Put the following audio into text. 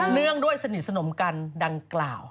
เนื่องด้วยสนิทสนมกันดังกล่าว